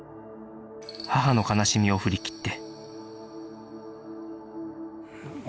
母の悲しみを振り切って